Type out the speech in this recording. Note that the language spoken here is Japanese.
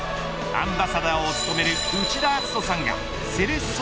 アンバサダーを務める内田篤人さんがセレッソ